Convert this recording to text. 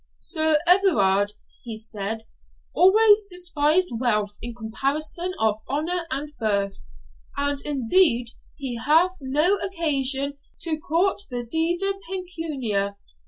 'Sir Everard,' he said, 'always despised wealth in comparison of honour and birth; and indeed he hath no occasion to court the Diva Pecunia.